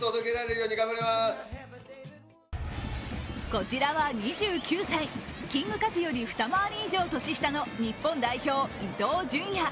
こちらは２９歳、キングカズより２回り以上年下の日本代表・伊東純也。